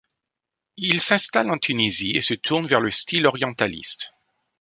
Il s'installe en Tunisie et se tourne vers le style orientaliste.